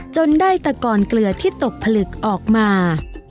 จนได้ตะกอนเกลือที่ตกผลึกออกมา